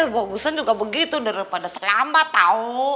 bagusan juga begitu daripada terlambat tau